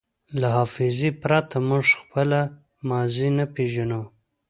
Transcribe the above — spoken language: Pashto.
له حافظې پرته موږ خپله ماضي نه پېژنو.